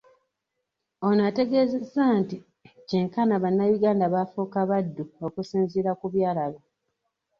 Ono ategeezezza nti kyenkana bannayuganda baafuuka baddu okusinzira kubyalaba.